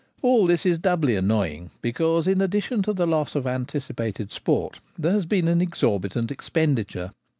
All this is doubly annoying, because, in addition to the loss of anticipated sport, there has been an exor bitant expenditure.